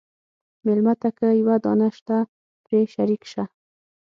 مېلمه ته که یوه دانه شته، پرې شریک شه.